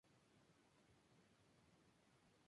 El trabajo fue atribuido por algunos a Lane.